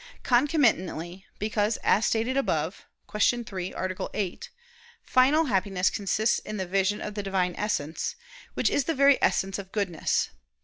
Concomitantly, because as stated above (Q. 3, A. 8), final Happiness consists in the vision of the Divine Essence, Which is the very essence of goodness.